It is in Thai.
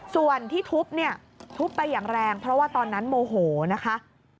ส่วนที่ทุบเนี่ยทุบไปอย่างแรงเพราะว่าตอนนั้นโมโหนะคะ